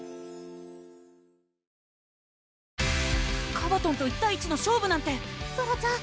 カバトンと１対１の勝負なんてソラちゃん